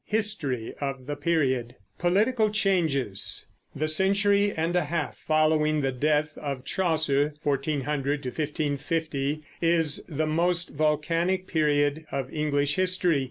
HISTORY OF THE PERIOD POLITICAL CHANGES. The century and a half following the death of Chaucer (1400 1550) is the most volcanic period of English history.